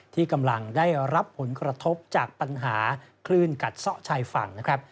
ที่กำลังได้รับผลกระทบจากปัญหาคลื่นกัดซ่อชายฝั่งนะครับ